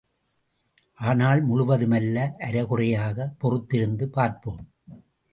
ஆனால் முழுவதும் அல்ல, அறை குறையாக, பொறுத்திருந்து பார்ப்போம்.